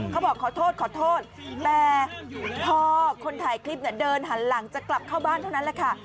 ขอโทษขอโทษแต่พอคนถ่ายคลิปเนี่ยเดินหันหลังจะกลับเข้าบ้านเท่านั้นแหละค่ะ